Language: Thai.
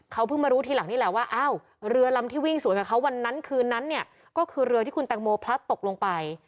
เขาเพิ่งมารู้ทีหลังนี่แหละว่าอ้าวเรือลำที่วิ่งสวนกับเขาวันนั้นคืนนั้นเนี่ยก็คือเรือที่คุณแตงโมพลัดตกลงไป